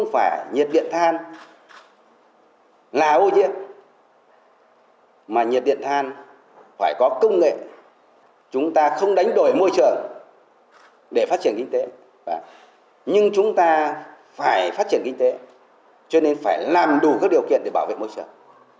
phải phát triển kinh tế cho nên phải làm đủ các điều kiện để bảo vệ môi trường